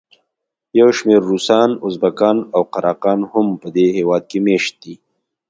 یو شمېر روسان، ازبکان او قراقان هم په دې هېواد کې مېشت دي.